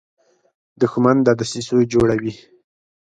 دښمن د دسیسو جوړه وي